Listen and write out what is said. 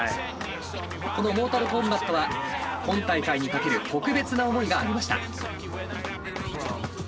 このモータルコンバットは今大会にかける特別な思いがありました。